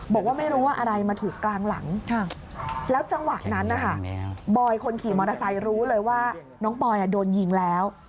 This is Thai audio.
บอกว่าไม่รู้ว่าอะไรมาถูกกลางหลังแล้วจังหวะนั้นนะคะบอยคนขี่มอเตอร์ไซค์รู้เลยว่าน้องปอยโดนยิงแล้ว